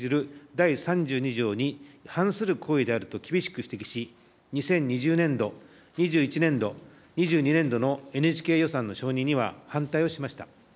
第３２条に反する行為であると厳しく指摘し、２０２０年度、２１年度、２２年度のＮＨＫ予算の承認には反対をしました。